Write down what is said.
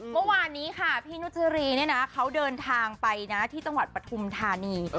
ต่อมานี้ค่ะพี่นุจรีเขาเดินทางไปที่จังหวัดปฐมธานี